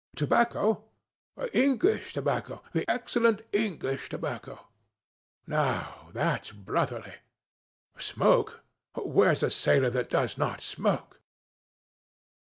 Tobacco! English tobacco; the excellent English tobacco! Now, that's brotherly. Smoke? Where's a sailor that does not smoke?'